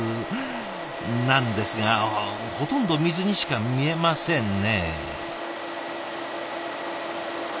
なんですがほとんど水にしか見えませんね。